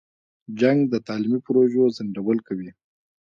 جنګ د تعلیمي پروژو ځنډول کوي.